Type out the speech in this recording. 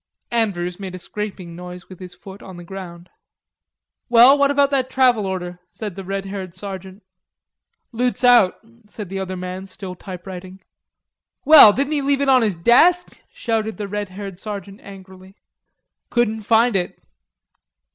Andrews made a scraping noise with his foot on the ground. "Well, what about that travel order?" said the red haired sergeant. "Loot's out," said the other man, still typewriting. "Well, didn't he leave it on his desk?" shouted the red haired sergeant angrily. "Couldn't find it."